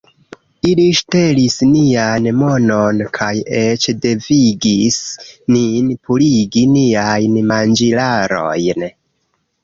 Ili ŝtelis nian monon kaj eĉ devigis nin purigi niajn manĝilarojn